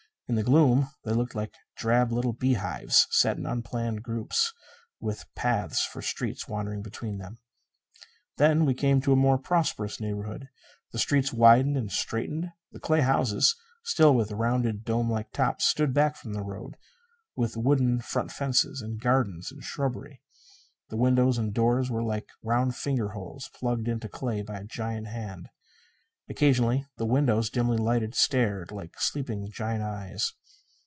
In the gloom they looked like drab little beehives set in unplanned groups, with paths for streets wandering between them. Then we came to a more prosperous neighborhood. The street widened and straightened. The clay houses, still with rounded dome like tops, stood back from the road, with wooden front fences, and gardens and shrubbery. The windows and doors were like round finger holes plugged in the clay by a giant hand. Occasionally the windows, dimly lighted, stared like sleeping giant eyes.